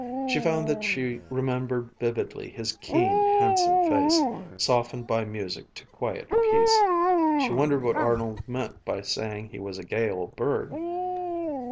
She found that she remembered vividly his keen, handsome face, softened by music to quiet peace. She wondered what Arnold meant by saying he was a gay old bird.